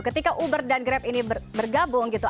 ketika uber dan grab ini bergabung gitu